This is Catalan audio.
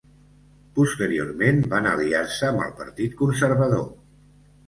Posteriorment van aliar-se amb el Partit Conservador.